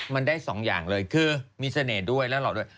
มันได้สองอย่างเลยคือมีเสน่ห์ด้วยและหล่อด้วย